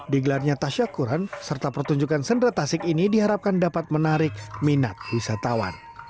digelarnya tasya kuran serta pertunjukan sendera tasik ini diharapkan dapat menarik minat wisatawan